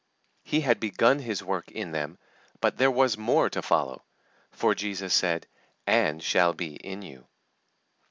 He had begun His work in them, but there was more to follow, for Jesus said, "and shall be in you."